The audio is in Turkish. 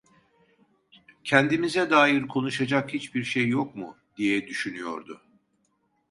"Kendimize dair konuşacak hiçbir şey yok mu?" diye düşünüyordu.